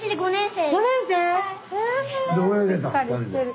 しっかりしてる。